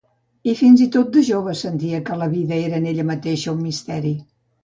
I fins i tot de jove, sentia que la vida era en ella mateixa un misteri.